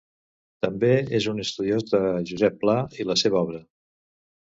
També és un estudiós de Josep Pla i la seva obra.